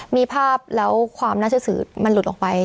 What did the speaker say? มีภาพแล้วความน่าเชื่อสื่อมันหลุดออกไป